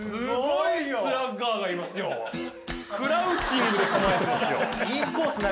クラウチングで構えてますよ。